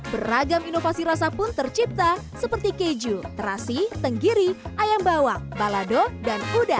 beragam inovasi rasa pun tercipta seperti keju terasi tenggiri ayam bawang balado dan kuda